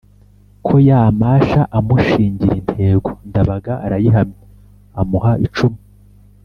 ko yamasha amushingira intego Ndabaga arayihamya Amuha icumu